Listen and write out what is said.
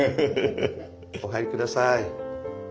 お入り下さい。